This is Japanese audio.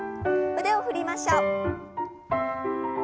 腕を振りましょう。